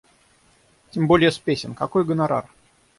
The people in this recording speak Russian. Тем более с песен — какой гонорар?!